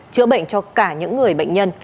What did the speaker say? chữa bệnh cho cả những người bệnh nhân